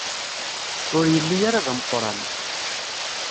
Ur yelli ara d ameqṛan.